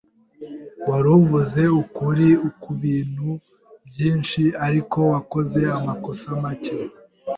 Wari uvuze ukuri kubintu byinshi. Ariko, wakoze amakosa make.